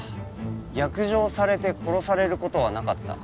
「逆上されて殺されることはなかった」